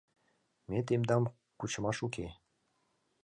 — Ме тендам кучымаш уке.